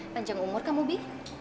panjang umur kamu bi